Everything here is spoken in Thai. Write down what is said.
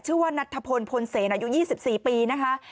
ชื่อว่านัทธพลพลเซนอายุ๒๔ปีนะคะ